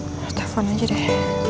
ke cuta teman aja deh